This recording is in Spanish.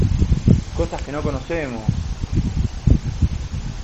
cosas que no conocemos...